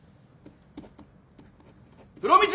・風呂光！